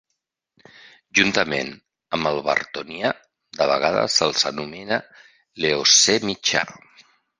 Juntament amb el Bartonià, de vegades se'ls anomena l'Eocè mitjà.